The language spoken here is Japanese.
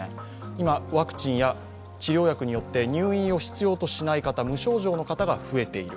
今、ワクチンや治療薬によって入院を必要としない方、無症状の方が増えている。